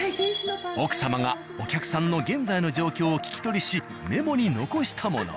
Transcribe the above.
奥様がお客さんの現在の状況を聞き取りしメモに残したもの。